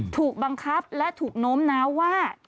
ถูกบังคับและถูกโน้มน้าวว่า